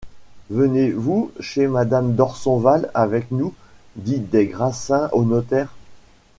Venez-vous chez madame Dorsonval avec nous ? dit des Grassins au notaire.